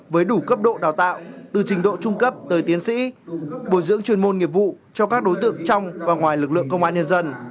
với đủ cấp độ đào tạo từ trình độ trung cấp tới tiến sĩ bồi dưỡng chuyên môn nghiệp vụ cho các đối tượng trong và ngoài lực lượng công an nhân dân